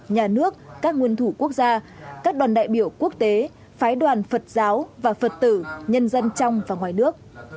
nhà nước các nguyên thủ quốc gia các đoàn đại biểu quốc tế phái đoàn phật giáo và phật tử nhân dân trong và ngoài nước